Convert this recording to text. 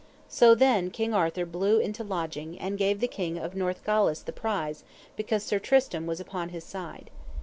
So then King Arthur blew unto lodging, and gave the King of Northgalis the prize because Sir Tristram was upon his side.